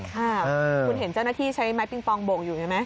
ค่ะคุณเห็นเจ้าหน้าที่ใช้ไม้ปิงปองโบ่งอยู่ใช่ไหม